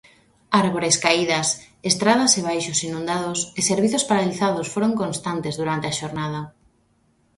Árbores caídas, estradas e baixos inundados e servizos paralizados foron constantes durante a xornada.